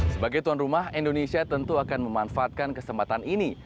sebagai tuan rumah indonesia tentu akan memanfaatkan kesempatan ini